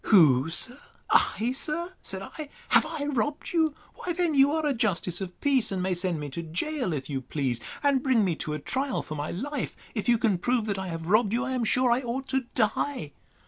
Who? I, sir? said I; have I robbed you? Why then you are a justice of peace, and may send me to gaol, if you please, and bring me to a trial for my life! If you can prove that I have robbed you, I am sure I ought to die.